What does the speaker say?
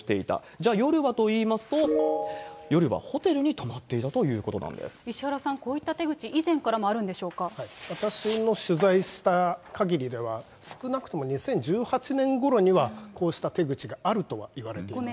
じゃあ夜はといいますと、夜はホテルに泊まっていたということな石原さん、こういった手口、私の取材したかぎりでは、少なくとも２０１８年ごろには、こうした手口があるとはいわれていますね。